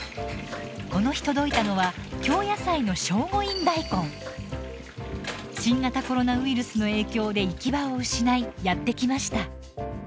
この日届いたのは京野菜の新型コロナウイルスの影響で行き場を失いやって来ました。